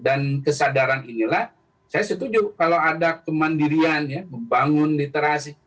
dan kesadaran inilah saya setuju kalau ada kemandirian ya membangun literasi